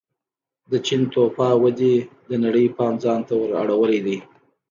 د چین توفا ودې د نړۍ پام ځان ته ور اړولی دی.